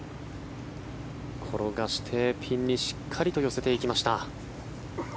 転がして、ピンにしっかりと寄せていきました。